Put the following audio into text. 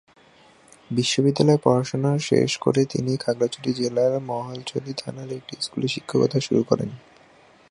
বিশ্ববিদ্যালয়ের পড়াশোনা শেষ করে তিনি খাগড়াছড়ি জেলার মহালছড়ি থানার একটি স্কুলে শিক্ষকতা শুরু করেন।